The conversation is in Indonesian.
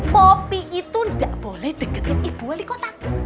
poppy itu gak boleh deketin ibu wali kota